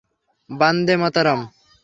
বান্দে মা তারাম।